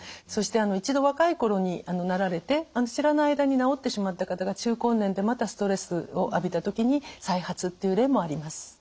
そして一度若い頃になられて知らない間に治ってしまった方が中高年でまたストレスを浴びた時に再発っていう例もあります。